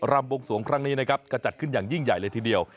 รบวงสวงครั้งนี้นะครับก็จัดขึ้นอย่างยิ่งใหญ่เลยทีเดียว